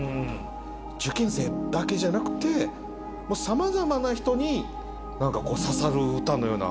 受験生だけじゃなくてもうさまざまな人に何か刺さる歌のような。